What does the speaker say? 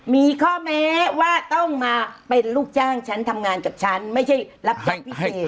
มีข้อแม้ว่าต้องมาเป็นลูกจ้างฉันทำงานกับฉันไม่ใช่รับจ้างพิเศษ